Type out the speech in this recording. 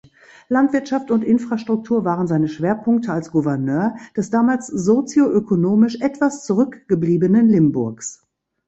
Landwirtschaft und Infrastruktur waren seine Schwerpunkte als Gouverneur des damals sozioökonomisch etwas zurückgebliebenen Limburgs.